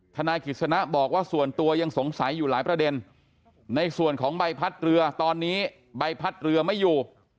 นายกิจสนะบอกว่าส่วนตัวยังสงสัยอยู่หลายประเด็นในส่วนของใบพัดเรือตอนนี้ใบพัดเรือไม่อยู่